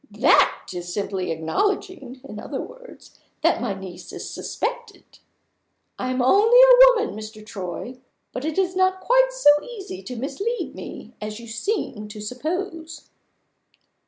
"That is simply acknowledging, in other words, that my niece is suspected. I am only a woman, Mr. Troy but it is not quite so easy to mislead me as you seem to suppose."